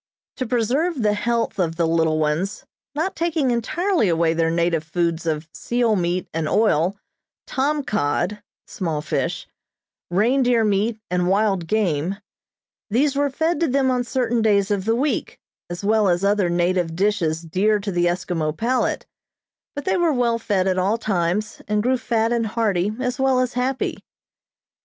To preserve the health of the little ones, not taking entirely away their native foods of seal meat and oil, tom cod (small fish), reindeer meat and wild game, these were fed to them on certain days of the week, as well as other native dishes dear to the Eskimo palate, but they were well fed at all times, and grew fat and hearty as well as happy.